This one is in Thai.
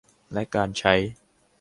และการใช้